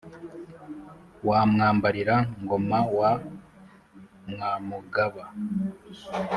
wa mwambarira ngoma wa mwamugaba